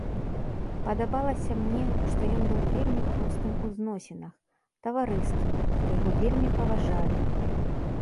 Падабалася мне, што ён быў вельмі простым у зносінах, таварыскім, што яго вельмі паважалі.